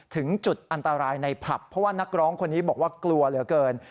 ถึงจุดอันตรายในผับเพราะว่านักร้องคนนี้บอกว่ากลัวเหลือเกิน